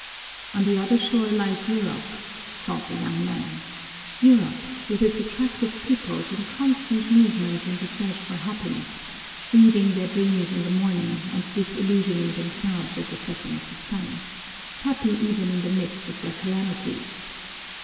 "On the other shore lies Europe," thought the young man, "Europe, with its attractive peoples in constant movement in the search for happiness, weaving their dreams in the morning and disillusioning themselves at the setting of the sun, happy even in the midst of their calamities.